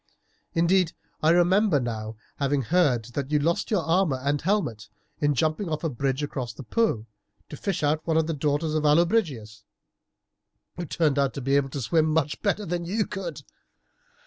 Indeed, I remember now having heard that you lost your armour and helmet in jumping off the bridge across the Po to fish out one of the daughters of Allobrigius, who turned out to be able to swim much better than you could.